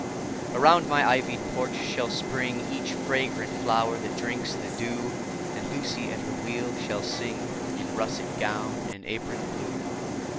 Around my ivy'd porch shall spring Each fragrant flower that drinks the dew; And Lucy, at her wheel, shall sing In russet gown and apron blue.